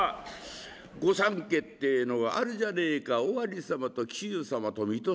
御三家ってえのがあるじゃねえか尾張様と紀州様と水戸様。